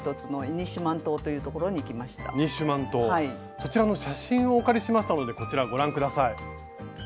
そちらの写真をお借りしましたのでこちらご覧下さい。